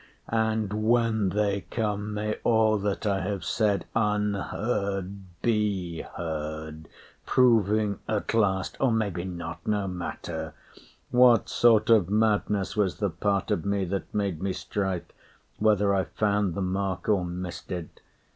And when they come, May all that I have said unheard be heard, Proving at last, or maybe not no matter What sort of madness was the part of me That made me strike, whether I found the mark Or missed it.